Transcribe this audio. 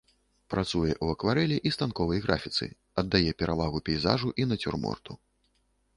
Працуе ў акварэлі і станковай графіцы, аддае перавагу пейзажу і нацюрморту.